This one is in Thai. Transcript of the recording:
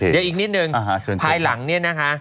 เดี๋ยวอีกนิดนึงภายหลังเนี่ยนะคะ